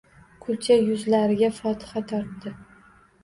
Kulcha yuzlariga fotiha tortdi.